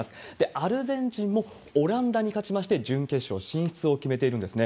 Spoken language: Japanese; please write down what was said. アルゼンチンもオランダに勝ちまして、準決勝進出を決めてるんですね。